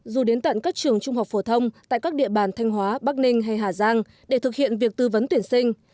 dù đến tận các trường trung học phổ thông tại các địa bàn thanh hóa bắc ninh hay hà giang để thực hiện việc tư vấn tuyển sinh